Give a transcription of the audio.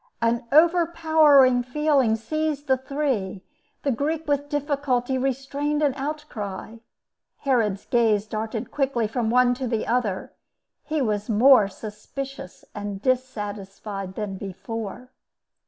An overpowering feeling seized the three. The Greek with difficulty restrained an outcry. Herod's gaze darted quickly from one to the other; he was more suspicious and dissatisfied than before.